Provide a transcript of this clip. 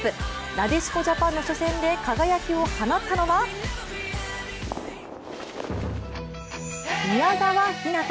なでしこジャパンの初戦で輝きを放ったのは、宮澤ひなた。